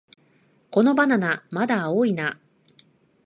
このバナナ、まだ青いな